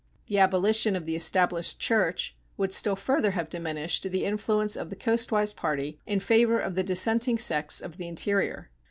The abolition of the Established Church would still further have diminished the influence of the coastwise party in favor of the dissenting sects of the interior.